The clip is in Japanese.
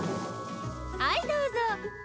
はいどうぞ！